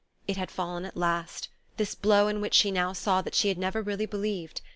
It had fallen at last this blow in which she now saw that she had never really believed!